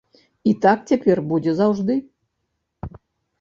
І так цяпер будзе заўжды.